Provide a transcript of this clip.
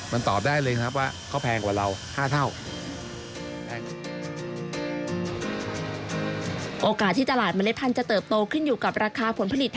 มันตอบได้เลยครับว่าเขาแพงกว่าเรา๕เท่า